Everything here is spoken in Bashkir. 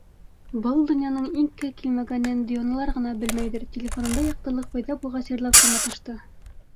— Был донъяның ике килмәгәнен диуаналар ғына белмәйҙер, -телефонында яҡтылыҡ пәйҙә булғас, йырлап та маташты.